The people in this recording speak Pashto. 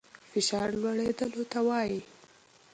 فشار لوړېدلو ته وايي.